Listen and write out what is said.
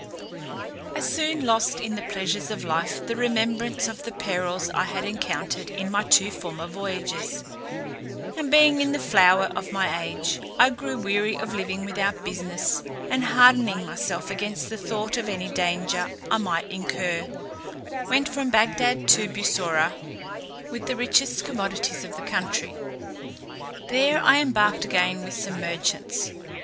I soon lost in the pleasures of life the remembrance of the perils I had encountered in my two former voyages; and being in the flower of my age, I grew weary of living without business, and hardening myself against the thought of any danger I might incur, went from Bagdad to Bussorah with the richest commodities of the country. There I embarked again with some merchants.